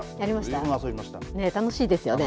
ねえ、楽しいですよね。